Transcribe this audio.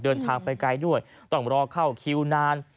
เดินทางไปไกลด้วยต้องรอเข้าคิวนาน